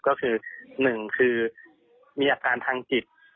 ก็คือ๑คือมีอาการทางจิต